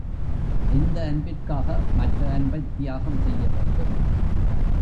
எந்த அன்பிற்காக மற்ற அன்பைத் தியாகம் செய்ய வேண்டும்?